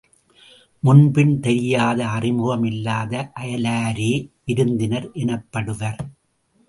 முன்பின் தெரியாத அறிமுகம் இல்லாத அயலாரே விருந்தினர் எனப்படுவர்.